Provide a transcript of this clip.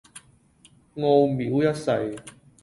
傲睨一世